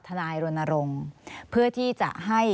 ทนายรณรงค์เพื่อที่จะให้